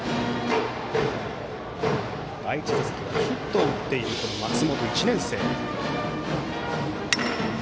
第１打席はヒットを打っている松本、１年生。